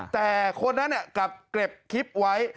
แต่คนนั้นกลับเก็บคลิปไว้